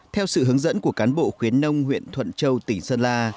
theo sự hướng dẫn của cán bộ khuyến nông huyện thuận châu tỉnh sơn la